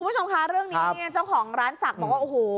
คุณผู้ชมคะเรื่องนี้เนี่ยเจ้าของร้านศักดิ์บอกว่าโอ้โห